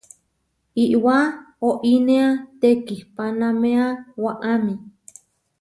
Iʼwá oinéa tekihpanaméa waʼámi.